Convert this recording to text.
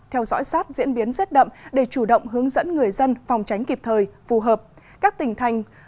theo dõi sát diễn biến rét đậm để chủ động hướng dẫn người dân phòng tránh kịp thời phù hợp các tỉnh thành